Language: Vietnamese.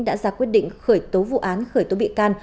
đã ra quyết định khởi tố vụ án khởi tố bị can